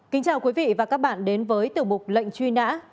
kính chào quý vị và các bạn đến với tiểu mục lệnh truy nã